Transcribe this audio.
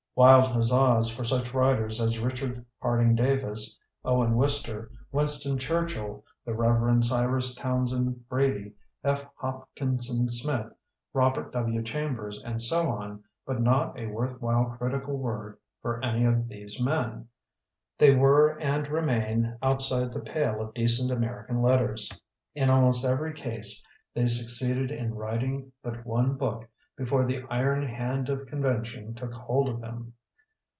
Wild huzzas for such writers as Richard Harding Davis, Owen Wister, Winston Church ill, the Reverend Cyrus Townsend Brady, F. Hopkinson Smith, Robert W. Chambers, and so on — ^but not a worth while critical word for any of these men. They were and re main outside the pale of decent Amer ican letters. In almost every case they succeeded in writing but one book before the iron hand of con vention took hold of them.